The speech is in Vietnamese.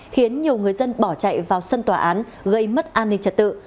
khiến nhiều người dân bỏ chạy vào sân tòa án gây mất an ninh trật tự